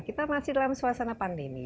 kita masih dalam suasana pandemi